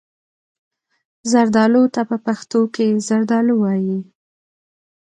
زردالو ته په پښتو کې زردالو وايي.